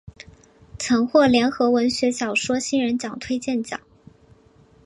曾获联合文学小说新人奖推荐奖。